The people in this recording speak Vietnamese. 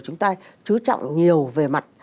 chúng ta trú trọng nhiều về mặt